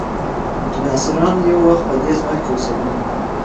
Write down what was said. ډیناسوران یو وخت په دې ځمکه کې اوسېدل.